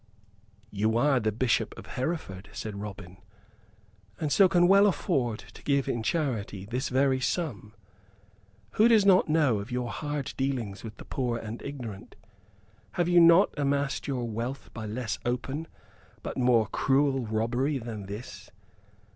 "You are the Bishop of Hereford," said Robin, "and so can well afford to give in charity this very sum. Who does not know of your hard dealings with the poor and ignorant? Have you not amassed your wealth by less open but more cruel robbery than this?